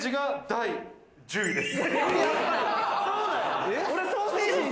第１位です。